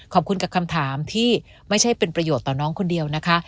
ขอบคุณกับคำถามที่ไม่ใช่เป็นประโยชน์ต่อน้องคนเดียวนะคะ